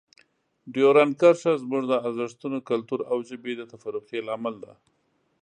ډیورنډ کرښه زموږ د ارزښتونو، کلتور او ژبې د تفرقې لامل ده.